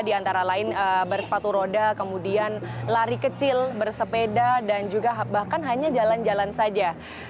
di antara lain bersepatu roda kemudian lari kecil bersepeda dan juga bahkan hanya jalan jalan saja